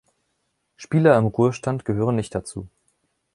Spieler im Ruhestand gehören nicht dazu.